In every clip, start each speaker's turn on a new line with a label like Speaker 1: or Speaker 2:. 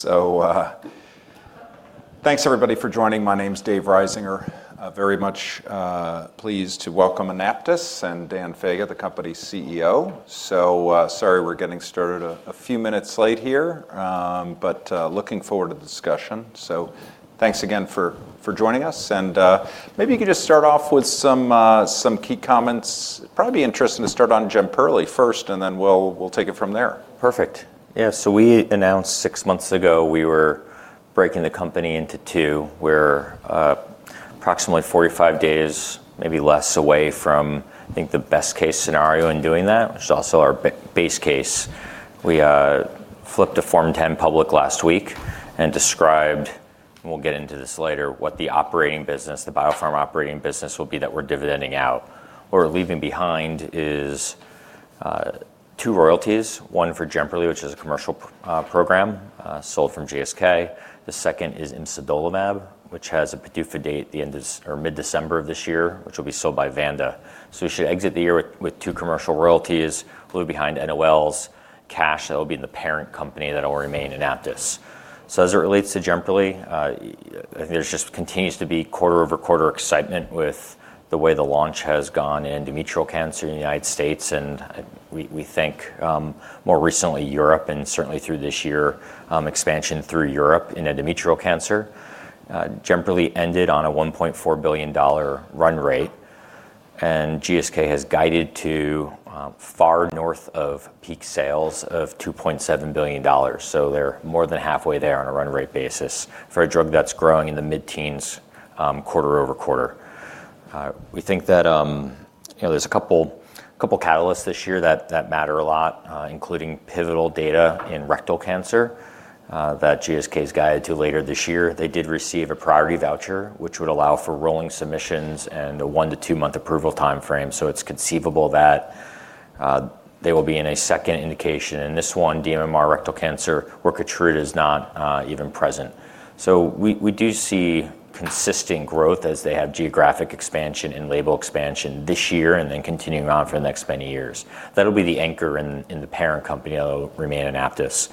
Speaker 1: Thanks everybody for joining. My name's David Risinger. Very much pleased to welcome Anaptys and Daniel Faga, the company's CEO. Sorry we're getting started a few minutes late here, but looking forward to the discussion. Thanks again for joining us, and maybe you could just start off with some key comments. It'd probably be interesting to start on Jemperli first, and then we'll take it from there.
Speaker 2: Perfect. Yeah. We announced six months ago we were breaking the company into two. We're approximately 45 days, maybe less away from, I think, the best case scenario in doing that, which is also our base case. We filed a Form 10 publicly last week and described, and we'll get into this later, what the operating business, the biopharma operating business will be that we're dividending out. What we're leaving behind is two royalties, one for Jemperli, which is a commercial program sold to GSK. The second is imsidolimab, which has a PDUFA date at the end of December or mid-December of this year, which will be sold by Vanda. We should exit the year with two commercial royalties. We'll leave behind NOLs, cash that will be in the parent company that'll remain AnaptysBio. As it relates to Jemperli, I think there just continues to be quarter-over-quarter excitement with the way the launch has gone in endometrial cancer in the United States, and we think more recently Europe and certainly through this year expansion through Europe in endometrial cancer. Jemperli ended on a $1.4 billion run rate, and GSK has guided to far north of peak sales of $2.7 billion. They're more than halfway there on a run rate basis for a drug that's growing in the mid-teens%, quarter-over-quarter. We think that you know there's a couple catalysts this year that matter a lot, including pivotal data in rectal cancer that GSK's guided to later this year. They did receive a priority voucher, which would allow for rolling submissions and a 1-2-month approval timeframe. It's conceivable that they will be in a second indication, and this one, dMMR rectal cancer, where Keytruda is not even present. We do see consistent growth as they have geographic expansion and label expansion this year and then continuing on for the next many years. That'll be the anchor in the parent company that'll remain Anaptys.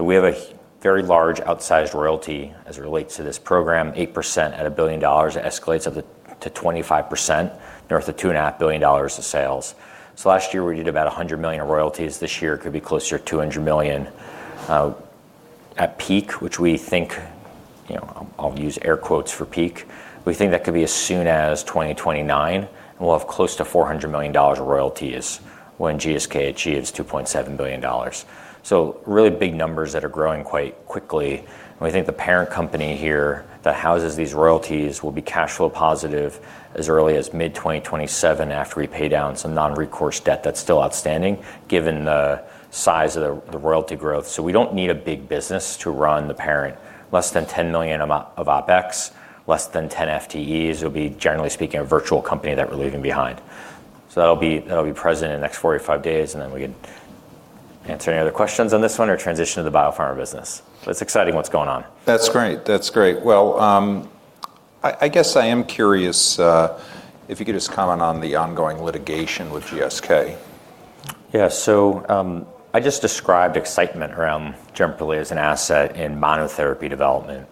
Speaker 2: We have a very large outsized royalty as it relates to this program, 8% at $1 billion. It escalates up to 25%, north of $2.5 billion of sales. Last year, we did about $100 million in royalties. This year, it could be closer to $200 million. At peak, which we think you know I'll use air quotes for peak, we think that could be as soon as 2029, and we'll have close to $400 million of royalties when GSK achieves $2.7 billion. Really big numbers that are growing quite quickly, and we think the parent company here that houses these royalties will be cash flow positive as early as mid-2027 after we pay down some non-recourse debt that's still outstanding given the size of the royalty growth. We don't need a big business to run the parent. Less than $10 million of OpEx, less than 10 FTEs. It'll be, generally speaking, a virtual company that we're leaving behind. That'll be present in the next 45 days, and then we can answer any other questions on this one or transition to the biopharma business. It's exciting what's going on.
Speaker 1: That's great. Well, I guess I am curious if you could just comment on the ongoing litigation with GSK.
Speaker 2: I just described excitement around Jemperli as an asset in monotherapy development.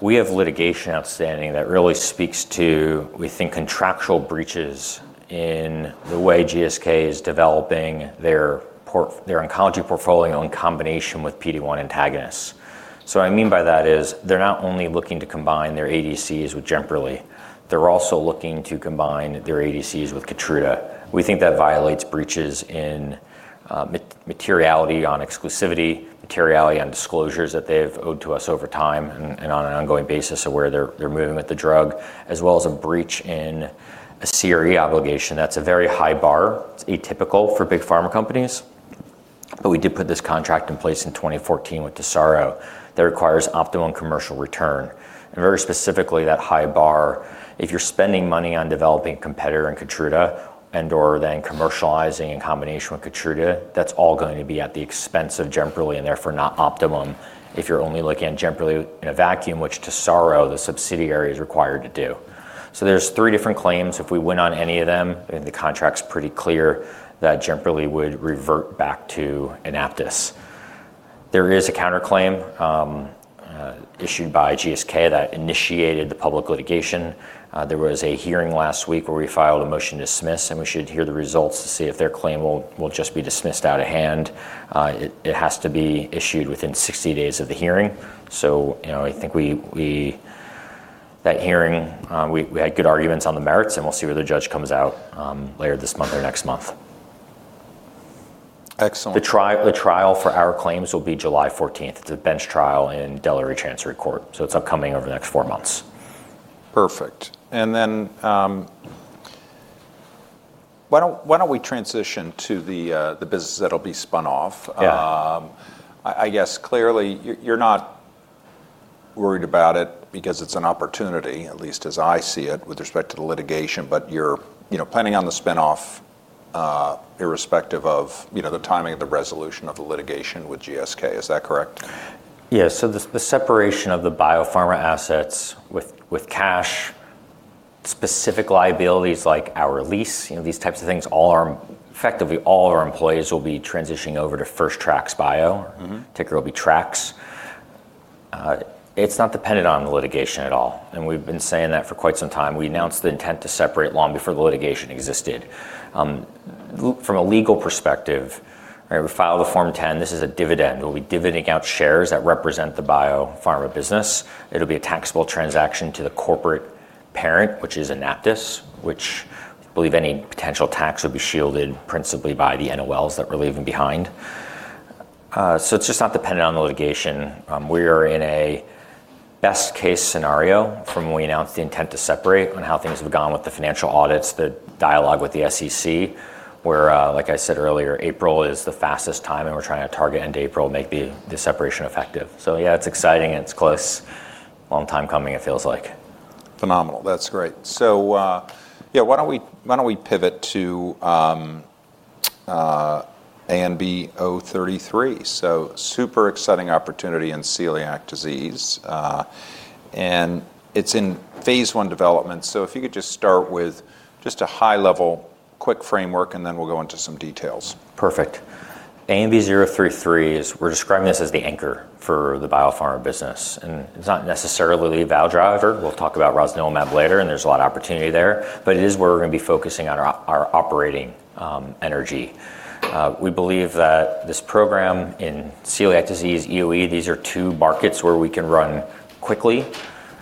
Speaker 2: We have litigation outstanding that really speaks to, we think, contractual breaches in the way GSK is developing their oncology portfolio in combination with PD-1 antagonists. What I mean by that is they're not only looking to combine their ADCs with Jemperli, they're also looking to combine their ADCs with Keytruda. We think that violates breaches in materiality on exclusivity, materiality on disclosures that they've owed to us over time and on an ongoing basis of where they're moving with the drug, as well as a breach in a CRE obligation. That's a very high bar. It's atypical for big pharma companies. We did put this contract in place in 2014 with Tesaro that requires optimum commercial return. Very specifically, that high bar, if you're spending money on developing competitor in Keytruda and/or then commercializing in combination with Keytruda, that's all going to be at the expense of Jemperli, and therefore not optimum if you're only looking at Jemperli in a vacuum, which Tesaro, the subsidiary, is required to do. There's three different claims. If we win on any of them, the contract's pretty clear that Jemperli would revert back to AnaptysBio. There is a counterclaim issued by GSK that initiated the public litigation. There was a hearing last week where we filed a motion to dismiss, and we should hear the results to see if their claim will just be dismissed out of hand. It has to be issued within 60 days of the hearing. You know, I think that hearing, we had good arguments on the merits, and we'll see where the judge comes out later this month or next month.
Speaker 1: Excellent.
Speaker 2: The trial for our claims will be July 14th. It's a bench trial in Delaware Chancery Court. It's upcoming over the next four months.
Speaker 1: Perfect. Why don't we transition to the business that'll be spun off?
Speaker 2: Yeah.
Speaker 1: I guess clearly you're not worried about it because it's an opportunity, at least as I see it, with respect to the litigation, but you're you know planning on the spin-off, irrespective of you know the timing of the resolution of the litigation with GSK. Is that correct?
Speaker 2: The separation of the biopharma assets with cash, specific liabilities like our lease you know these types of things, effectively all our employees will be transitioning over to First Tracks Bio.
Speaker 1: Mm-hmm.
Speaker 2: Ticker will be FSTX. It's not dependent on the litigation at all, and we've been saying that for quite some time. We announced the intent to separate long before the litigation existed. From a legal perspective, right, we file the Form 10, this is a dividend. We'll be divvying out shares that represent the biopharma business. It'll be a taxable transaction to the corporate parent, which is AnaptysBio, which I believe any potential tax would be shielded principally by the NOLs that we're leaving behind. It's just not dependent on the litigation. We are in a best case scenario from when we announced the intent to separate on how things have gone with the financial audits, the dialogue with the SEC, where, like I said earlier, April is the fastest time, and we're trying to target end of April to make the separation effective. Yeah, it's exciting and it's close. Long time coming, it feels like.
Speaker 1: Phenomenal. That's great. Yeah, why don't we pivot to ANB033. Super exciting opportunity in celiac disease, and it's in phase I development. If you could just start with a high level quick framework, and then we'll go into some details.
Speaker 2: Perfect. ANB033 is, we're describing this as the anchor for the biopharma business, and it's not necessarily a value driver. We'll talk about rosnilimab later, and there's a lot of opportunity there. But it is where we're gonna be focusing our our operating energy. We believe that this program in celiac disease, EoE, these are two markets where we can run quickly,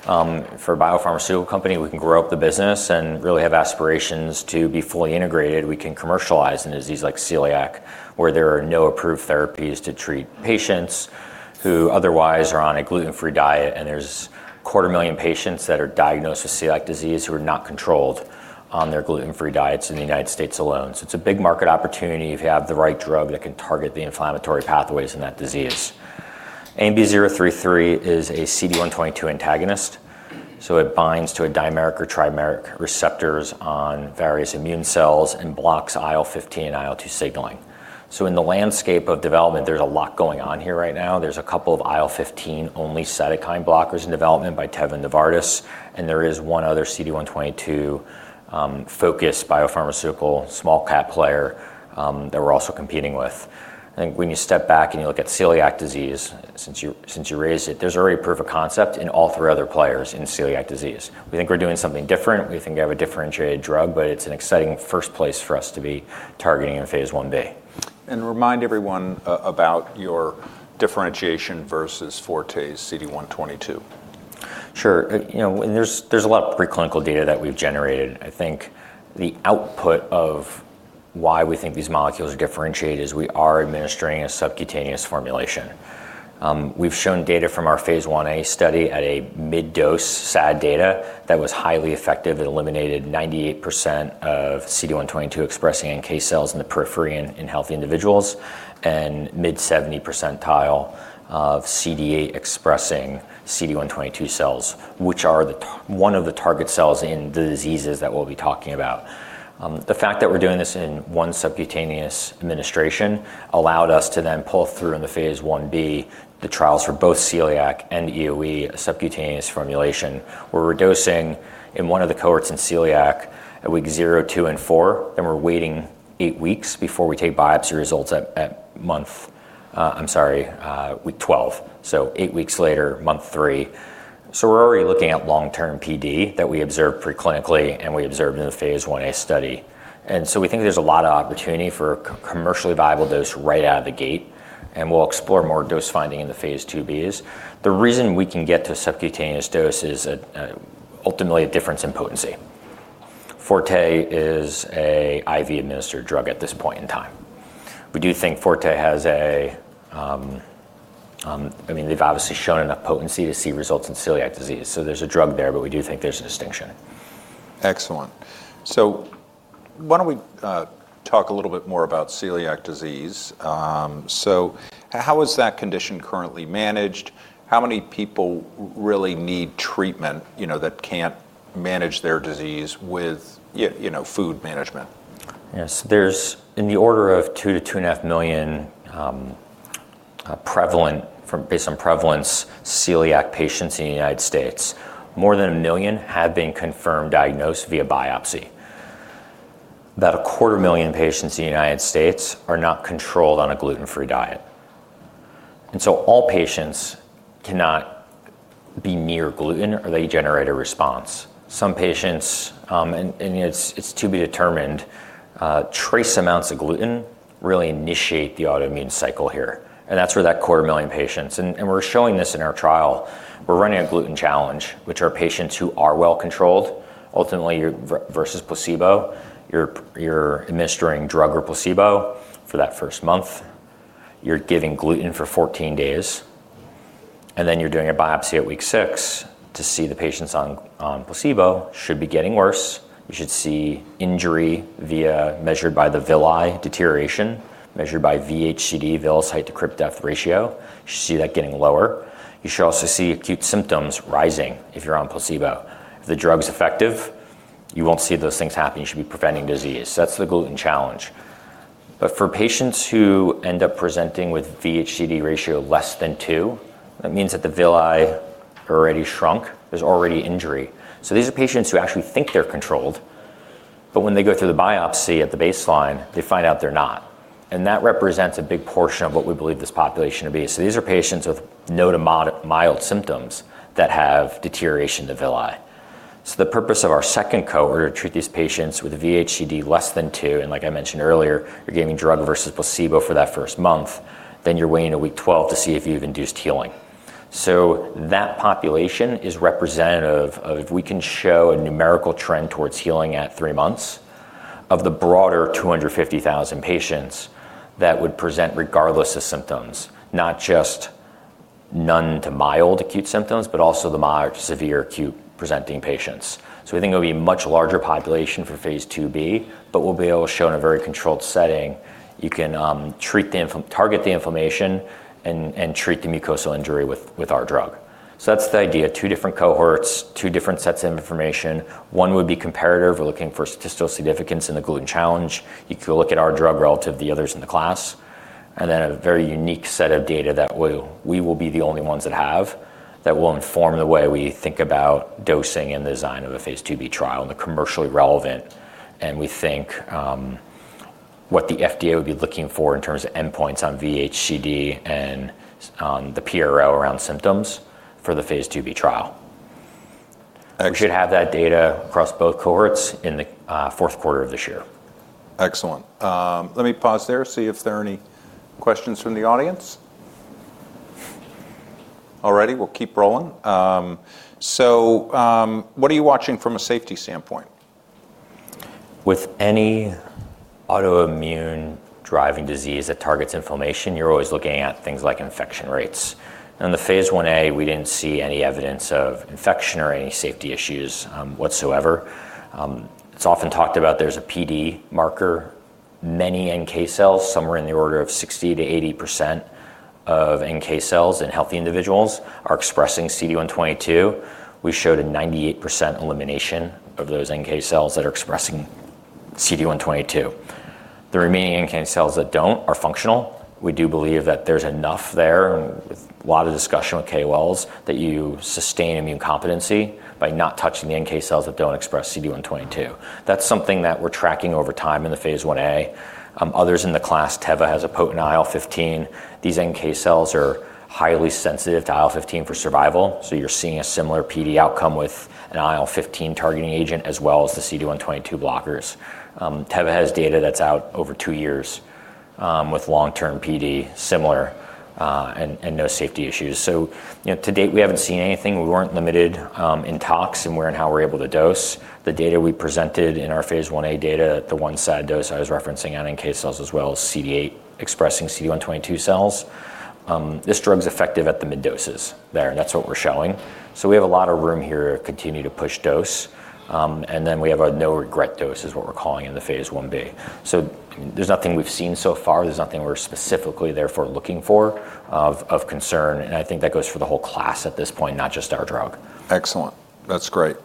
Speaker 2: for a biopharmaceutical company. We can grow up the business and really have aspirations to be fully integrated. We can commercialize a disease like celiac, where there are no approved therapies to treat patients who otherwise are on a gluten-free diet, and there's 250,000 patients that are diagnosed with celiac disease who are not controlled on their gluten-free diets in the United States alone. It's a big market opportunity if you have the right drug that can target the inflammatory pathways in that disease. ANB033 is a CD122 antagonist, so it binds to a dimeric or trimeric receptors on various immune cells and blocks IL-15 and IL-2 signaling. In the landscape of development, there's a lot going on here right now. There's a couple of IL-15 only cytokine blockers in development by Teva and Novartis, and there is one other CD122 focused biopharmaceutical small cap player that we're also competing with. I think when you step back and you look at celiac disease, since you raised it, there's already proof of concept in all three other players in celiac disease. We think we're doing something different. We think we have a differentiated drug, but it's an exciting first place for us to be targeting in phase IB.
Speaker 1: Remind everyone about your differentiation versus Forte's CD122.
Speaker 2: Sure. You know, there's a lot of preclinical data that we've generated. I think the output of why we think these molecules differentiate is we are administering a subcutaneous formulation. We've shown data from our phase IA study at a mid-dose SAD data that was highly effective. It eliminated 98% of CD122 expressing NK cells in the periphery in healthy individuals and mid-70% of CD8 expressing CD122 cells, which are the Th1, one of the target cells in the diseases that we'll be talking about. The fact that we're doing this in one subcutaneous administration allowed us to then pull through in the phase Ib trials for both celiac and EoE subcutaneous formulation, where we're dosing in one of the cohorts in celiac at week 0, 2, and 4, then we're waiting 8 weeks before we take biopsy results at week 12. 8 weeks later, month three. We're already looking at long-term PD that we observed preclinically and we observed in the phase Ia study. We think there's a lot of opportunity for a commercially viable dose right out of the gate, and we'll explore more dose finding in the phase IIbs. The reason we can get to subcutaneous dose is ultimately a difference in potency. Forte is an IV administered drug at this point in time. We do think Forte has a, I mean, they've obviously shown enough potency to see results in celiac disease, so there's a drug there, but we do think there's a distinction.
Speaker 1: Excellent. Why don't we talk a little bit more about celiac disease. How is that condition currently managed? How many people really need treatment you know that can't manage their disease with you know food management?
Speaker 2: Yeah. There's in the order of 2-2.5 million prevalent, based on prevalence, celiac patients in the United States. More than one million have been confirmed diagnosed via biopsy. About a quarter million patients in the United States are not controlled on a gluten-free diet. All patients cannot be near gluten or they generate a response. Some patients, and it's to be determined, trace amounts of gluten really initiate the autoimmune cycle here, and that's for that quarter million patients. We're showing this in our trial. We're running a gluten challenge, which are patients who are well controlled. Ultimately, versus placebo, you're administering drug or placebo for that first month. You're giving gluten for 14 days, and then you're doing a biopsy at week six to see the patients on placebo should be getting worse. You should see injury as measured by the villi deterioration, measured by VHCD, villous height-to-crypt depth ratio. You should see that getting lower. You should also see acute symptoms rising if you're on placebo. If the drug's effective, you won't see those things happen. You should be preventing disease. That's the gluten challenge. For patients who end up presenting with VHCD ratio less than two, that means that the villi are already shrunk. There's already injury. So these are patients who actually think they're controlled, but when they go through the biopsy at the baseline, they find out they're not. That represents a big portion of what we believe this population to be. These are patients with no to mild symptoms that have deterioration of villi. The purpose of our second cohort, we're gonna treat these patients with a VHCD less than two, and like I mentioned earlier, you're giving drug versus placebo for that first month, then you're waiting to week 12 to see if you've induced healing. That population is representative of if we can show a numerical trend towards healing at 3 months of the broader 250,000 patients that would present regardless of symptoms, not just none to mild acute symptoms, but also the mild to severe acute presenting patients. We think it'll be a much larger population for phase IIB, but we'll be able to show in a very controlled setting, you can target the inflammation and treat the mucosal injury with our drug. That's the idea. Two different cohorts, two different sets of information. One would be comparative. We're looking for statistical significance in the gluten challenge. You could look at our drug relative to the others in the class, and then a very unique set of data that we will be the only ones that have, that will inform the way we think about dosing and the design of a phase IIB trial and the commercially relevant. We think what the FDA would be looking for in terms of endpoints on VHCD and the PRO around symptoms for the phase IIB trial.
Speaker 1: Ex-
Speaker 2: We should have that data across both cohorts in the fourth quarter of this year.
Speaker 1: Excellent. Let me pause there, see if there are any questions from the audience. All righty. We'll keep rolling. What are you watching from a safety standpoint?
Speaker 2: With any autoimmune-driven disease that targets inflammation, you're always looking at things like infection rates. In the phase Ia, we didn't see any evidence of infection or any safety issues whatsoever. It's often talked about there's a PD marker. Many NK cells, somewhere in the order of 60%-80% of NK cells in healthy individuals are expressing CD122. We showed a 98% elimination of those NK cells that are expressing CD122. The remaining NK cells that don't are functional. We do believe that there's enough there, and with a lot of discussion with KOLs, that you sustain immune competency by not touching the NK cells that don't express CD122. That's something that we're tracking over time in the phase Ia. Others in the class, Teva has a potent IL-15. These NK cells are highly sensitive to IL-15 for survival, so you're seeing a similar PD outcome with an IL-15 targeting agent as well as the CD122 blockers. Teva has data that's out over two years, with long-term PD, similar, and no safety issues. You know, to date, we haven't seen anything. We weren't limited in tox in where and how we're able to dose. The data we presented in our phase Ia data, the 1 SAD dose I was referencing on NK cells as well as CD8 expressing CD122 cells. This drug's effective at the mid doses there, and that's what we're showing. We have a lot of room here to continue to push dose. We have a no regret dose is what we're calling in the phase Ib. There's nothing we've seen so far. There's nothing we're specifically therefore looking for of concern. I think that goes for the whole class at this point, not just our drug.
Speaker 1: Excellent. That's great.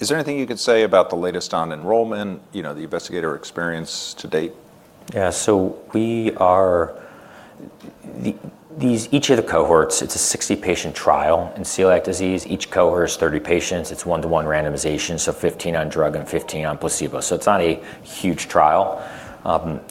Speaker 1: Is there anything you could say about the latest on enrollment you know the investigator experience to date?
Speaker 2: Each of the cohorts, it's a 60-patient trial in celiac disease. Each cohort is 30 patients. It's one-to-one randomization, so 15 on drug and 15 on placebo. It's not a huge trial.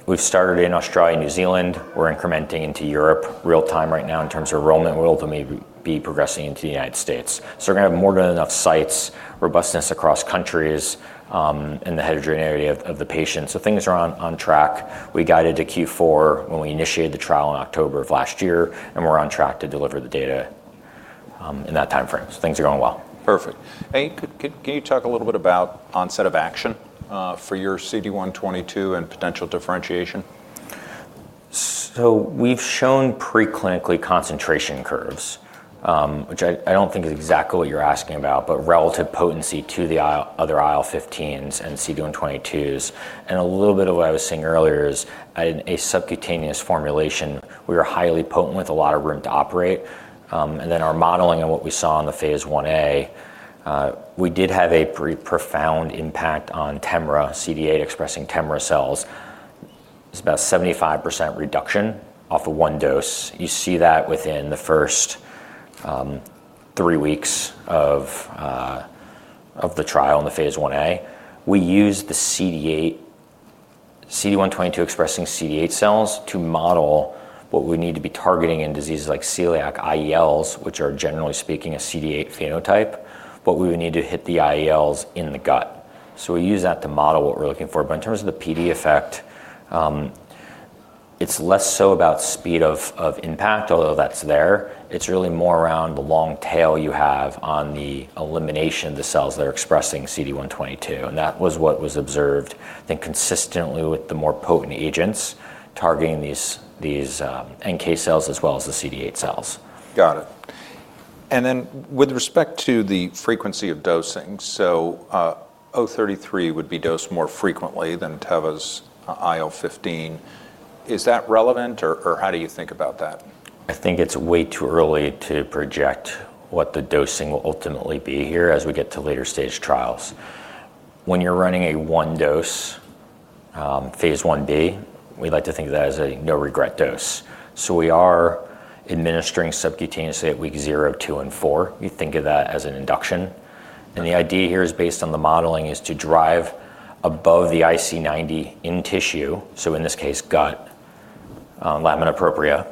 Speaker 2: We've started in Australia and New Zealand. We're expanding into Europe real time right now in terms of enrollment. We'll ultimately be progressing into the United States. We're gonna have more than enough sites, robustness across countries, and the heterogeneity of the patients. Things are on track. We guided to Q4 when we initiated the trial in October of last year, and we're on track to deliver the data in that timeframe. Things are going well.
Speaker 1: Perfect. Can you talk a little bit about onset of action for your CD122 and potential differentiation?
Speaker 2: We've shown pre-clinically concentration curves, which I don't think is exactly what you're asking about, but relative potency to the other IL-15s and CD122s. A little bit of what I was saying earlier is in a subcutaneous formulation, we are highly potent with a lot of room to operate. Our modeling and what we saw in the phase IA, we did have a pretty profound impact on TEMRA, CD8 expressing TEMRA cells. It's about 75% reduction off of one dose. You see that within the first three weeks of the trial in the phase IA. We used the CD122 expressing CD8 cells to model what we need to be targeting in diseases like celiac IELs, which are generally speaking a CD8 phenotype, but we would need to hit the IELs in the gut. We use that to model what we're looking for. In terms of the PD effect, it's less so about speed of impact, although that's there. It's really more around the long tail you have on the elimination of the cells that are expressing CD122, and that was what was observed I think consistently with the more potent agents targeting these NK cells as well as the CD8 cells.
Speaker 1: Got it. With respect to the frequency of dosing, ANB033 would be dosed more frequently than Teva's IL-15. Is that relevant or how do you think about that?
Speaker 2: I think it's way too early to project what the dosing will ultimately be here as we get to later stage trials. When you're running a 1-dose phase Ib, we like to think of that as a no regret dose. We are administering subcutaneously at week 0, 2, and 4. We think of that as an induction. The idea here is based on the modeling, is to drive above the IC90 in tissue, so in this case gut, lamina propria,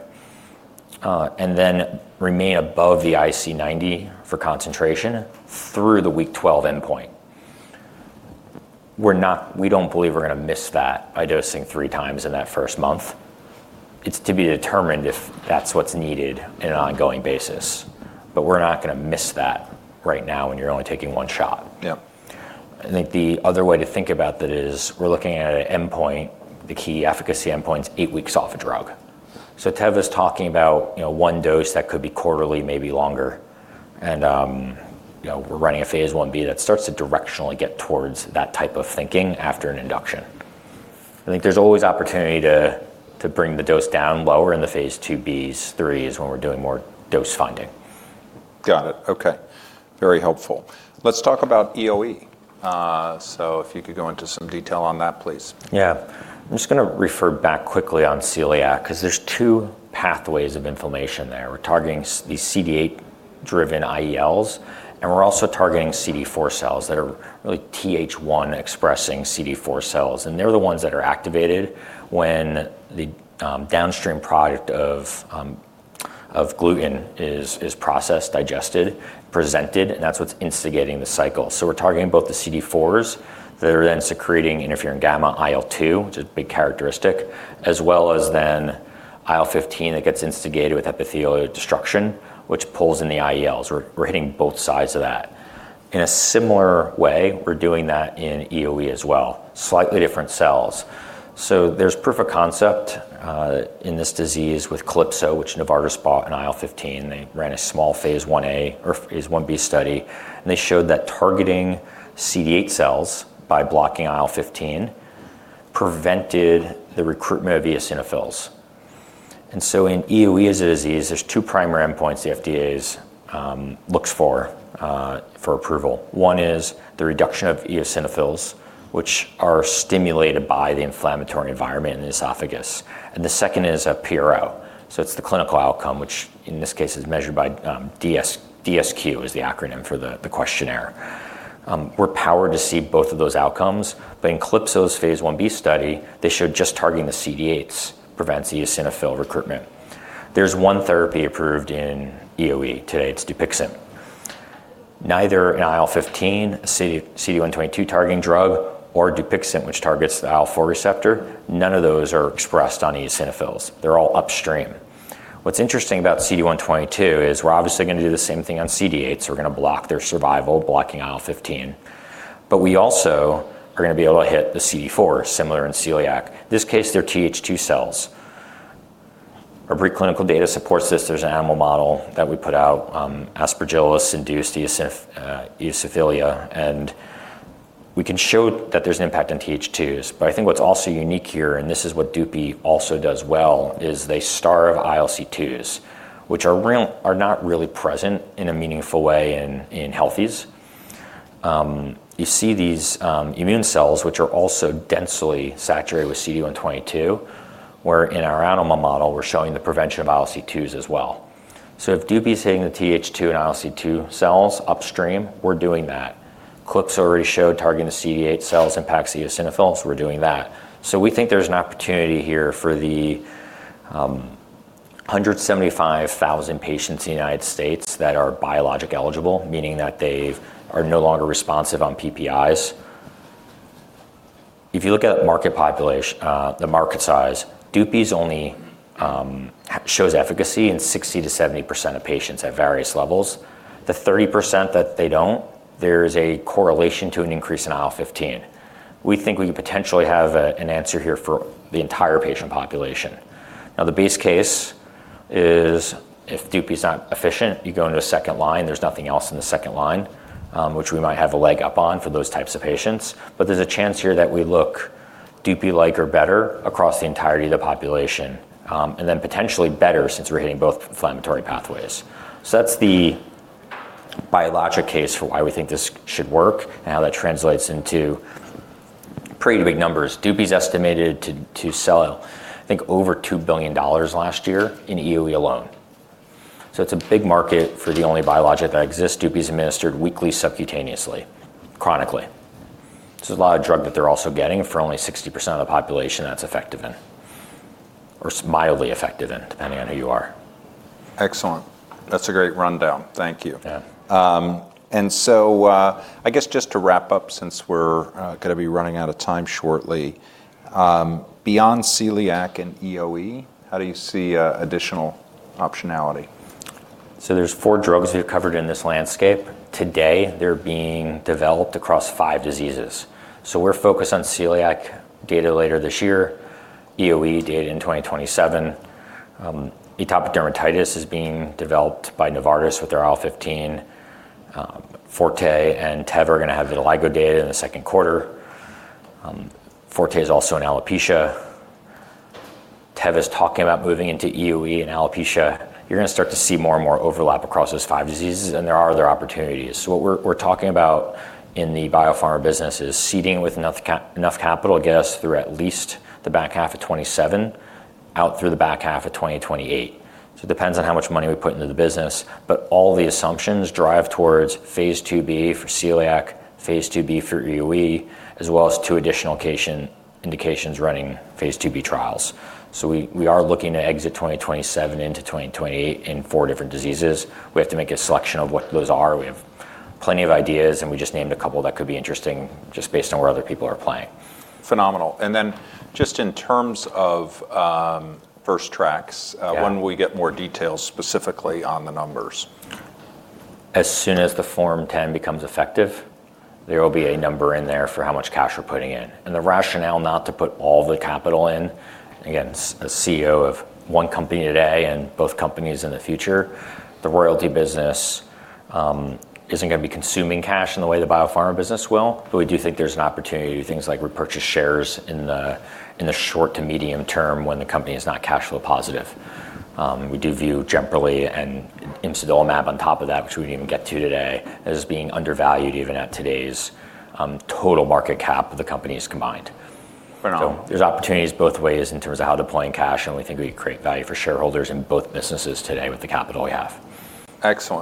Speaker 2: and then remain above the IC90 for concentration through the week 12 endpoint. We don't believe we're gonna miss that by dosing 3 times in that first month. It's to be determined if that's what's needed in an ongoing basis. We're not gonna miss that right now when you're only taking one shot.
Speaker 1: Yeah.
Speaker 2: I think the other way to think about that is we're looking at an endpoint, the key efficacy endpoints, 8 weeks off a drug. Teva's talking about you know one dose that could be quarterly, maybe longer, and you know we're running a phase Ib that starts to directionally get towards that type of thinking after an induction. I think there's always opportunity to bring the dose down lower in the phase IIbs. 3 is when we're doing more dose finding.
Speaker 1: Got it. Okay. Very helpful. Let's talk about EoE. So if you could go into some detail on that, please.
Speaker 2: Yeah. I'm just gonna refer back quickly on celiac 'cause there's two pathways of inflammation there. We're targeting the CD8-driven IELs, and we're also targeting CD4 cells that are really Th1 expressing CD4 cells, and they're the ones that are activated when the downstream product of gluten is processed, digested, presented, and that's what's instigating the cycle. We're targeting both the CD4s that are then secreting interferon gamma IL-2, which is a big characteristic, as well as then IL-15 that gets instigated with epithelial destruction, which pulls in the IELs. We're hitting both sides of that. In a similar way, we're doing that in EoE as well, slightly different cells. There's proof of concept in this disease with CALY-002, which Novartis bought, an IL-15. They ran a small phase I A or phase I B study, and they showed that targeting CD8 cells by blocking IL-15 prevented the recruitment of eosinophils. In EoE as a disease, there's two primary endpoints the FDA looks for for approval. One is the reduction of eosinophils, which are stimulated by the inflammatory environment in the esophagus, and the second is a PRO. It's the clinical outcome, which in this case is measured by DSQ is the acronym for the questionnaire. We're powered to see both of those outcomes, but in CALY-002's phase I B study, they showed just targeting the CD8s prevents the eosinophil recruitment. There's one therapy approved in EoE today, it's Dupixent. Neither an IL-15, CD122 targeting drug or Dupixent, which targets the IL-4 receptor, none of those are expressed on eosinophils. They're all upstream. What's interesting about CD122 is we're obviously gonna do the same thing on CD8s. We're gonna block their survival blocking IL-15. We also are gonna be able to hit the CD4, similar in celiac. This case they're Th2 cells. Our pre-clinical data supports this. There's an animal model that we put out, Aspergillus-induced eosinophilia, and we can show that there's an impact on Th2s. I think what's also unique here, and this is what Dupixent also does well, is they starve ILC2s, which are not really present in a meaningful way in healthies. You see these immune cells which are also densely saturated with CD122, where in our animal model, we're showing the prevention of ILC2s as well. If Dupixent's hitting the Th2 and ILC2 cells upstream, we're doing that. CALY-002 already showed targeting the CD8 cells impacts the eosinophils, we're doing that. We think there's an opportunity here for the 175,000 patients in the United States that are biologic-eligible, meaning that they are no longer responsive on PPIs. If you look at the market size, Dupixent only shows efficacy in 60%-70% of patients at various levels. The 30% that they don't, there is a correlation to an increase in IL-15. We think we could potentially have an answer here for the entire patient population. Now, the base case is if Dupi's not efficient, you go into a second line, there's nothing else in the second line, which we might have a leg up on for those types of patients, but there's a chance here that we look Dupi-like or better across the entirety of the population, and then potentially better since we're hitting both inflammatory pathways. That's the biologic case for why we think this should work and how that translates into pretty big numbers. Dupi's estimated to sell I think over $2 billion last year in EoE alone. It's a big market for the only biologic that exists. Dupi's administered weekly subcutaneously, chronically. A lot of drug that they're also getting for only 60% of the population that's effective in or mildly effective in, depending on who you are.
Speaker 1: Excellent. That's a great rundown. Thank you.
Speaker 2: Yeah.
Speaker 1: I guess just to wrap up, since we're gonna be running out of time shortly, beyond celiac and EoE, how do you see additional optionality?
Speaker 2: There's four drugs we've covered in this landscape. Today, they're being developed across five diseases. We're focused on celiac data later this year, EoE data in 2027. Atopic dermatitis is being developed by Novartis with their IL-15. Forte and Teva are gonna have the IL-4 data in the second quarter. Forte is also in alopecia. Teva's talking about moving into EoE and alopecia. You're gonna start to see more and more overlap across those five diseases, and there are other opportunities. What we're talking about in the biopharma business is seeding with enough capital get us through at least the back half of 2027 out through the back half of 2028. It depends on how much money we put into the business, but all the assumptions drive towards phase IIB for celiac, phase IIB for EoE, as well as two additional indications running phase IIB trials. We are looking to exit 2027 into 2028 in four different diseases. We have to make a selection of what those are. We have plenty of ideas, and we just named a couple that could be interesting just based on where other people are playing.
Speaker 1: Phenomenal. Just in terms of First Tracks.
Speaker 2: Yeah
Speaker 1: When will we get more details specifically on the numbers?
Speaker 2: As soon as the Form 10 becomes effective, there will be a number in there for how much cash we're putting in. The rationale not to put all the capital in, again, as CEO of one company today and both companies in the future, the royalty business isn't gonna be consuming cash in the way the biopharma business will, but we do think there's an opportunity to do things like repurchase shares in the short to medium term when the company is not cash flow positive. We do view Jemperli and imsidolimab on top of that, which we didn't even get to today, as being undervalued even at today's total market cap of the companies combined.
Speaker 1: Phenomenal.
Speaker 2: There's opportunities both ways in terms of how deploying cash, and we think we create value for shareholders in both businesses today with the capital we have.
Speaker 1: Excellent